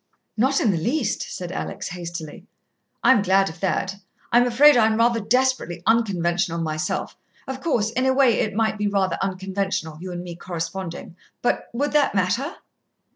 "Not in the least," said Alex hastily. "I'm glad of that. I'm afraid I'm rather desperately unconventional myself. Of course, in a way it might be rather unconventional, you and me corresponding but would that matter?"